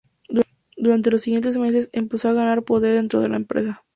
Durante los siguientes meses, empezó a ganar poder dentro de la empresa.